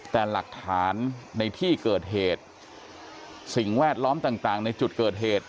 แต่หลักฐานในที่เกิดเหตุสิ่งแวดล้อมต่างในจุดเกิดเหตุ